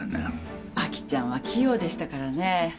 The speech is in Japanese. アキちゃんは器用でしたからね。